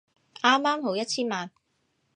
啱啱好一千萬